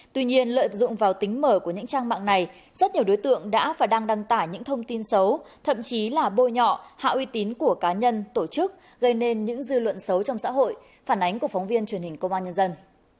tuy nhiên lợi dụng vào tính mở của những trang mạng này rất nhiều đối tượng đã và đang đăng tải những thông tin xấu thậm chí là bôi nhọ hạ uy tín của cá nhân tổ chức gây nên những dư luận xấu trong xã hội phản ánh của phóng viên truyền hình công an nhân dân